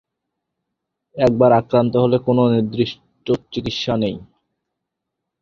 একবার আক্রান্ত হলে কোন নির্দিষ্ট চিকিৎসা নেই।